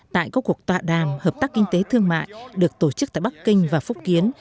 tại các cuộc tọa đàm hợp tác kinh tế thương mại được tổ chức tại bắc kinh và phúc kiến